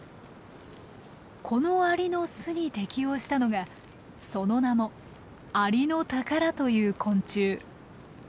このアリの巣に適応したのがその名もアリノタカラという昆虫。